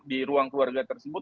di ruang keluarga tersebut